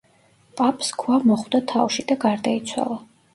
პაპს ქვა მოხვდა თავში და გარდაიცვალა.